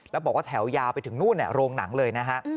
แล้วบอกว่าแถวยาวไปถึงนู่นโรงหนังเลยนะฮะ